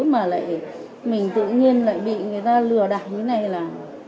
mà lại mình tự nhiên lại bị người ta lừa đặt như thế này là